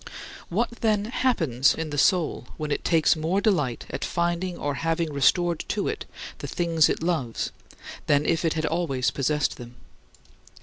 7. What, then, happens in the soul when it takes more delight at finding or having restored to it the things it loves than if it had always possessed them?